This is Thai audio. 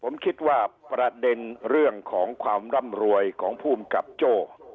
ผมคิดว่าประเด็นเรื่องของความร่ำรวยของภูมิกับโจ้